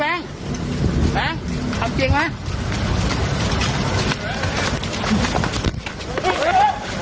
แผงทำจริงน่ะ